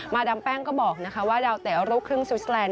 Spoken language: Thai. มาดามแป้งก็บอกนะคะว่าเราแต่รกครึ่งสวิสเซอร์แลนด์